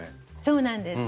そうなんです。